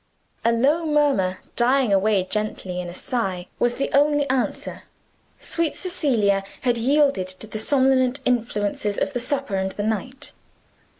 A low murmur, dying away gently in a sigh, was the only answer. Sweet Cecilia had yielded to the somnolent influences of the supper and the night.